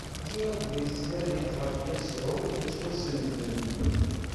Ẓriɣ belli tettnadimt ɣef Yasuɛ ittwaṣellben.